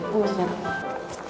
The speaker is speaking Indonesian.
gue masih dengerin